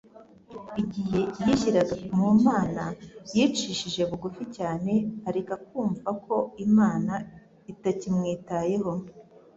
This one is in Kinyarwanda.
Igihe yishyiraga mu Mana yicishije bugufi cyane, areka kumva ko Imana itakimwitayeho.